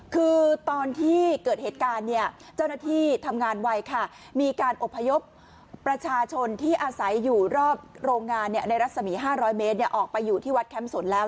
คือตอนที่เกิดเหตุการณ์เนี่ยเจ้าหน้าที่ทำงานไวค่ะมีการอบพยพประชาชนที่อาศัยอยู่รอบโรงงานในรัศมี๕๐๐เมตรออกไปอยู่ที่วัดแคมปนแล้ว